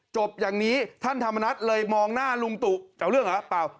จบอย่างนี้ท่านธรรมนัฐเลยมองหน้าลุงตุจะเอาเรื่องเหรอเปล่า